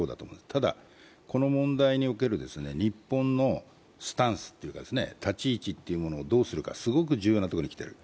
ただ、この問題における日本のスタンスというか立ち位置をどうするか、すごく重要なところにきている。